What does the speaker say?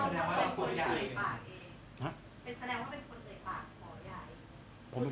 แสดงว่าเป็นคนเกย่ปากขอใหญ่